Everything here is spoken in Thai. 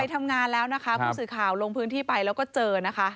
ทำงานแล้วนะคะผู้สื่อข่าวลงพื้นที่ไปแล้วก็เจอนะคะ